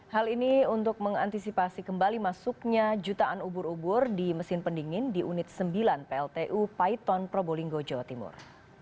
hal ini untuk mengantisipasi kembali masuknya jutaan ubur ubur di mesin pendingin di unit sembilan pltu paiton probolinggo jawa timur